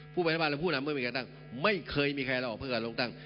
ผู้บรรยาบาลและผู้หนำไม่เคยมีแคล้ออกเพื่อการลงตั้ง